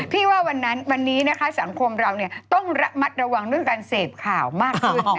พี่ว่าวันนี้นะคะสังคมเราต้องมัดระวังด้วยการเสพข่าวมากขึ้นนะฮะ